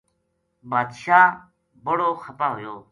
باد شاہ بڑو خپا ہویو